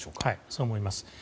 そう思います。